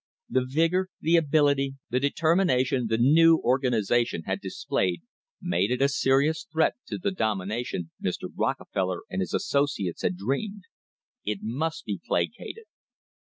The vigour, the ability, the determination the new organisation had displayed made it a serious threat to the domination Mr. Rockefeller and his associates had dreamed. It must be pla cated.